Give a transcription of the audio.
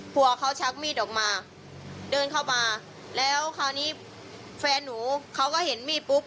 ผัวเขาชักมีดออกมาเดินเข้ามาแล้วคราวนี้แฟนหนูเขาก็เห็นมีดปุ๊บ